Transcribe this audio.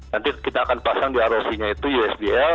nanti kita akan pasang di rov nya itu usbl